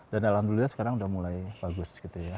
dan alhamdulillah sekarang sudah mulai bagus